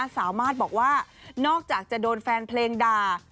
สามารถบอกว่านอกจากจะโดนแฟนเพลงด่า